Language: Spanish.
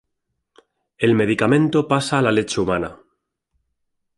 El medicamento pasa a la leche humana.